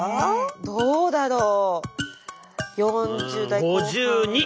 どうだろう。